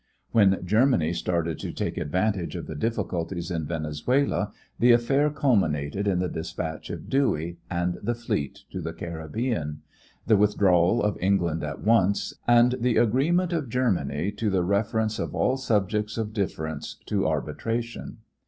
When Germany started to take advantage of the difficulties in Venezuela the affair culminated in the dispatch of Dewey and the fleet to the Caribbean, the withdrawal of England at once, and the agreement of Germany to the reference of all subjects of different to arbitration.